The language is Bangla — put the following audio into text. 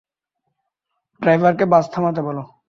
ড্রাইভারকে বাস থামাতে বলো।